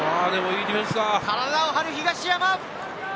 体を張る東山。